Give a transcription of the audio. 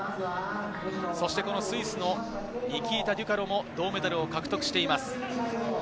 スイスのニキータ・デュカロも銅メダルを獲得しています。